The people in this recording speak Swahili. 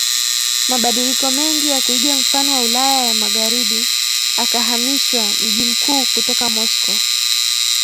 mabadiliko mengi ya kuiga mfano wa Ulaya ya Magharibi akahamisha mji mkuu kutoka Moscow